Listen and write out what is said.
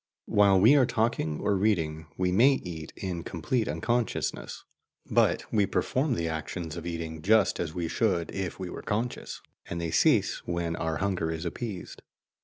While we are talking or reading, we may eat in complete unconsciousness; but we perform the actions of eating just as we should if we were conscious, and they cease when our hunger is appeased.